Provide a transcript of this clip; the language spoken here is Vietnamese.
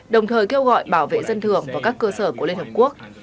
đồng thời kêu gọi bảo vệ dân thường và các cơ sở của liên hợp quốc